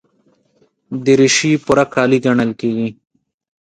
دریشي پوره کالي ګڼل کېږي.